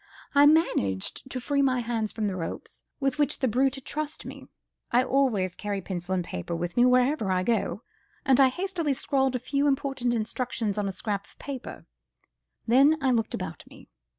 I managed to free my hands from the ropes, with which the brute had trussed me; I always carry pencil and paper with me wherever I go, and I hastily scrawled a few important instructions on a scrap of paper; then I looked about me.